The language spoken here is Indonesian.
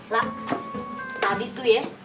la tadi tuh ya